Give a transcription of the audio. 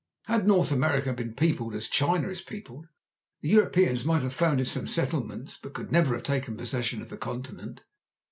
Had North America been peopled as China is peopled, the Europeans might have founded some settlements, but could never have taken possession of the continent.